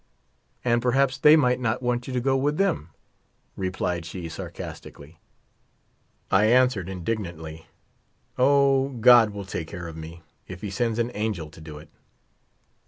"And perhaps they might not want you to go with them,'* replied she sa^casticall3^ I answered indignantly :" O, God will take care of me, if He sends an angel to do it